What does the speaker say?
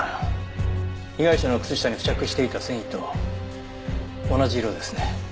被害者の靴下に付着していた繊維と同じ色ですね。